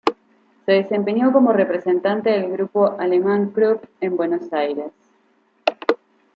Se desempeñó como representante del grupo alemán Krupp en Buenos Aires.